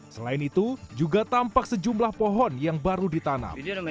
selain itu juga tampak sejumlah pohon yang baru ditanam